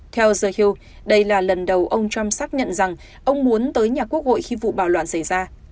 theo giới đây là lần đầu ông trump xác nhận rằng ông muốn tới nhà quốc hội khi vụ bạo loạn xảy ra